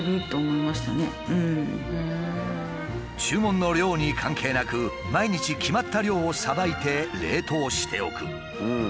注文の量に関係なく毎日決まった量をさばいて冷凍しておく。